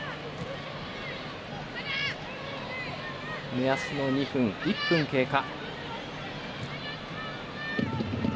目安の２分の１分経過。